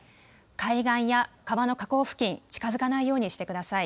海岸や川の河口付近、近づかないようにしてください。